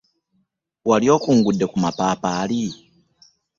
Wali okungudde ku mapaapaali?